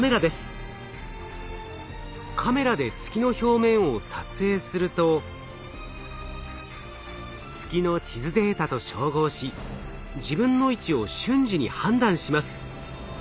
カメラで月の表面を撮影すると月の地図データと照合し自分の位置を瞬時に判断します。